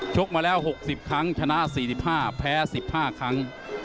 กมาแล้ว๖๐ครั้งชนะ๔๕แพ้๑๕ครั้ง